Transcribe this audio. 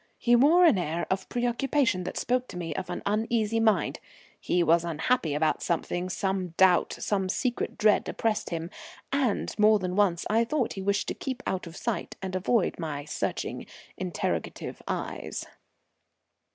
He wore an air of preoccupation that spoke to me of an uneasy mind. He was unhappy about something; some doubt, some secret dread oppressed him, and more than once I thought he wished to keep out of sight and avoid my searching interrogative eyes.